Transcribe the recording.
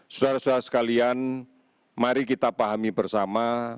saudara saudara sekalian mari kita pahami bersama